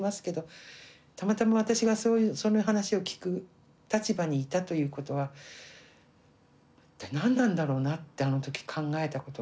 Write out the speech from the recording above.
たまたま私がそういうその話を聞く立場にいたということは一体何なんだろうなってあの時考えたことがありますね。